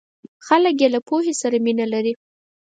خلک یې له پوهې سره مینه لري.